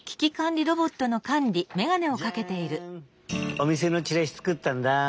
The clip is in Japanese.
おみせのチラシつくったんだ。